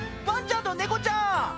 ちゃんと猫ちゃん